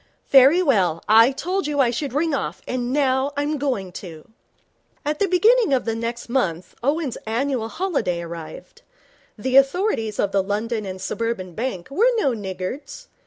Very well, I told you I should ring off, and now I'm going to.' At the beginning of the next month Owen's annual holiday arrived. The authorities of the London and Suburban Bank were no niggards.